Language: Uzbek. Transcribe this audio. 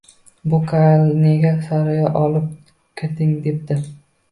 Bu kalni nega saroyga olib kirding, debdi